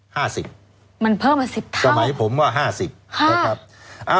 ห้าสิบมันเพิ่มมาสิบเท่าสมัยผมว่าห้าสิบห้า